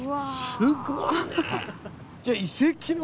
すごいね！